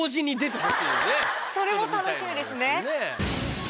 それも楽しみですね。